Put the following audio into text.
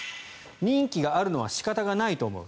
任期があるのは仕方がないと思う